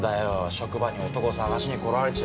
職場に男探しに来られちゃ。